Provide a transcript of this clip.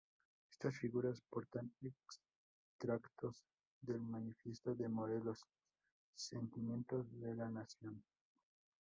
Estas figuras portan extractos del manifiesto de Morelos, Sentimientos de la Nación.